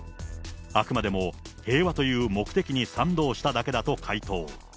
あくまでも平和という目的に賛同しただけだと回答。